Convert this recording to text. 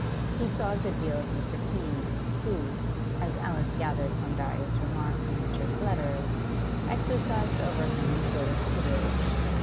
He saw a good deal of Mr. Keene, who, as Alice gathered from various remarks in Richard's letters, exercised over him a sort of tutorage.